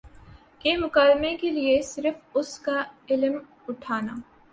کہ مکالمے کے لیے صرف اس کا علم اٹھانا